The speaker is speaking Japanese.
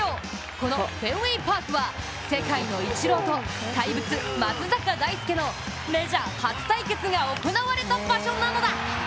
このフェンウェイ・パークは世界のイチローと、怪物・松坂大輔のメジャー初対決が行われた場所なのだ！